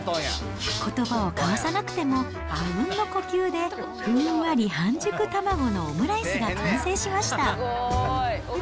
ことばを交わさなくても、あうんの呼吸で、ふんわり半熟卵のオムライスが完成しました。